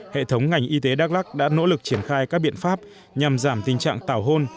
hệ thống ngành y tế đắk lắc đã nỗ lực triển khai các biện pháp nhằm giảm tình trạng tảo hôn